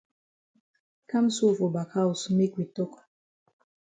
Kam so for back haus make we tok.